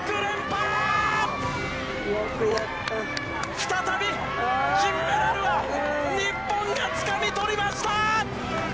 再び金メダルは日本がつかみ取りました！